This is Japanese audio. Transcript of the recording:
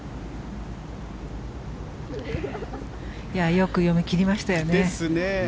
よく読み切りましたよね。